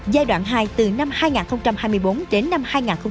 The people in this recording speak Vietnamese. giai đoạn hai từ năm hai nghìn hai mươi bốn đến năm hai nghìn hai mươi năm